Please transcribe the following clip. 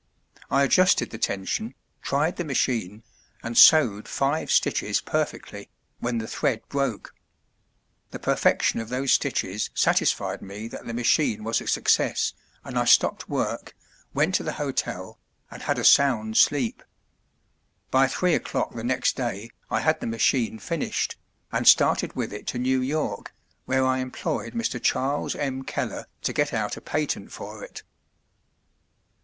I adjusted the tension, tried the machine, and sewed five stitches perfectly, when the thread broke. The perfection of those stitches satisfied me that the machine was a success, and I stopped work, went to the hotel, and had a sound sleep. By three o'clock the next day I had the machine finished, and started with it to New York, where I employed Mr. Charles M. Keller to get out a patent for it."